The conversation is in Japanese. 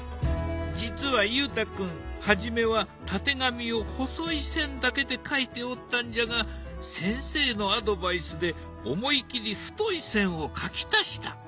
実は裕太君初めはたてがみを細い線だけで描いておったんじゃが先生のアドバイスで思い切り太い線を描き足した。